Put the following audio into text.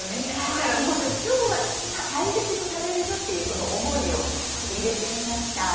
だから本当今日は大切に食べるぞっていうこの思いを入れてみました。